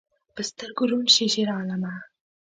په سترګو ړوند شې شیرعالمه